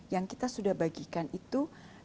yang kita sudah bagikan itu